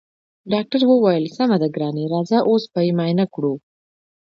ډاکټرې وويل سمه ده ګرانې راځه اوس به يې معاينه کړو.